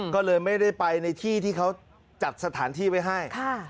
ก็เลยไม่ได้ไปในที่ที่เขาจัดสถานที่ไว้ให้